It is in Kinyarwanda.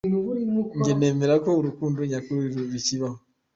Njye nemera ko urukundo nyakuri Rukibaho ,.